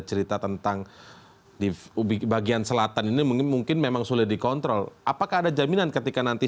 cerita tentang di ubi bagian selatan ini mungkin memang sulit dikontrol apakah ada jaminan ketika nanti